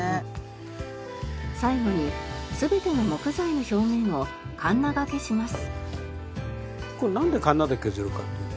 最後に全ての木材の表面をかんながけします。